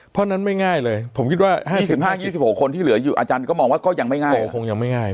เพราะนั้นไม่ง่ายเลยผมคิดว่า๒๕๒๖คนที่เหลืออาจารย์ก็มองว่าก็ยังไม่ง่าย